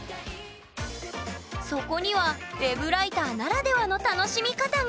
そこにはＷｅｂライターならではの楽しみ方が！